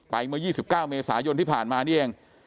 เมื่อ๒๙เมษายนที่ผ่านมานี่เอง